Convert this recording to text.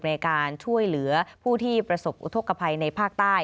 ในการช่วยเหลือผู้ที่ประสบอุทธกภัยในภาคใต้